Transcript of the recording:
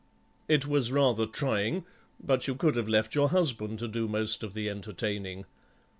"It was rather trying, but you could have left your husband to do most of the entertaining."